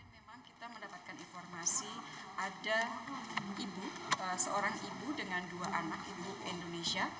memang kita mendapatkan informasi ada ibu seorang ibu dengan dua anak ibu indonesia